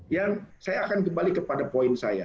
yang saya akan kembali kepada poin saya